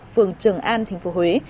phường trường an thành phố huế